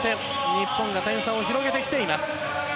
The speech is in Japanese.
日本が点差を広げてきています。